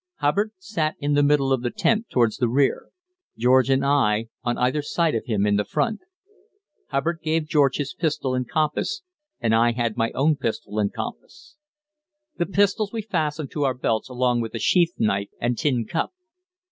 Hubbard sat in the middle of the tent towards the rear; George and I on either side of him in the front. Hubbard gave George his pistol and compass, and I had my own pistol and compass. The pistols we fastened to our belts along with a sheath knife and tin cup.